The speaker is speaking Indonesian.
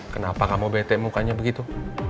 kenapa kamu betek mukanya begitu